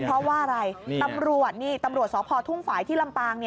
เพราะว่าอะไรตำรวจนี่ตำรวจสพทุ่งฝ่ายที่ลำปาง